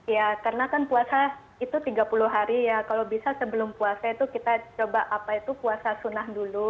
ya karena kan puasa itu tiga puluh hari ya kalau bisa sebelum puasa itu kita coba apa itu puasa sunnah dulu